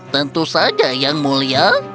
tentu saja yang mulia